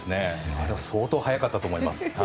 あれは相当速かったと思います。